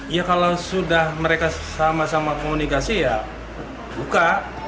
ya kalau sudah mereka sama sama komunikasi ya buka